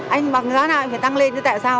anh bằng giá nào anh phải tăng lên chứ tại sao